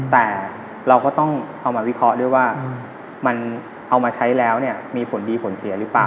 แต่เราก็ต้องเอามาวิเคราะห์ด้วยว่ามันเอามาใช้แล้วเนี่ยมีผลดีผลเสียหรือเปล่า